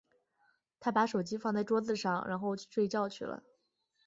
她把手机放在桌子上，然后睡觉去了。